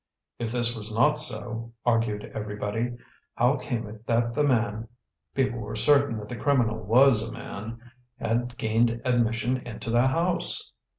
If this was not so, argued everybody, how came it that the man people were certain that the criminal was a man had gained admission into the house?